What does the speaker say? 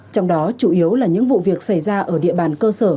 trong đó chủ yếu là những vụ việc xảy ra ở địa bàn